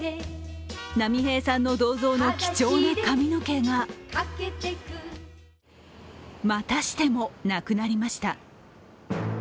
波平さんの銅像の貴重な髪の毛がまたしても、なくなりました。